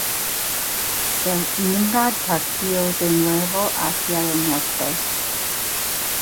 El "Nimrod" partió de nuevo hacia el norte.